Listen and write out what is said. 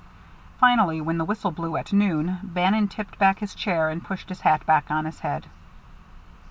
Finally, when the whistle blew, at noon, Bannon tipped back his chair and pushed his hat back on his head.